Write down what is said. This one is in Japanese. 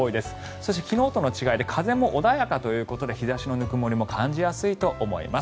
そして昨日との違いで風も穏やかということで日差しのぬくもりも感じやすいと思います。